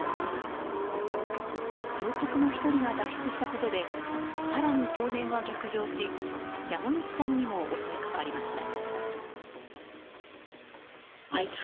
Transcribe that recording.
乗客の１人が脱出したことで更に少年は逆上し山口さんにも襲いかかりました。